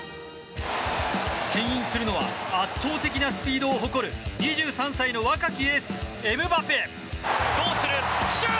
牽引するのは圧倒的なスピードを誇る２３歳の若きエース、エムバペ。